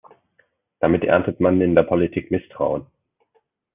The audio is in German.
Damit erntet man in der Politik Misstrauen.